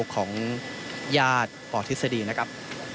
ของยาดพอร์ทฤษฎีนะครับ